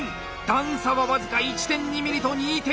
段差は僅か１．２ｍｍと２．１ｍｍ！